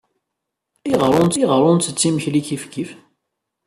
Ayɣer ur nttett imekli kifkif?